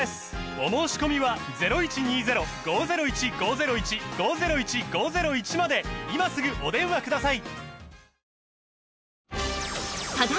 お申込みは今すぐお電話ください